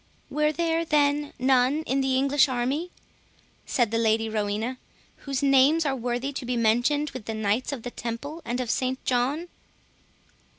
"Were there, then, none in the English army," said the Lady Rowena, "whose names are worthy to be mentioned with the Knights of the Temple, and of St John?"